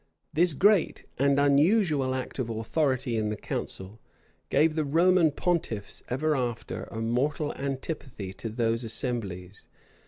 This great and unusual act of authority in the council, gave the Roman pontiffs ever after a mortal antipathy to those assemblies.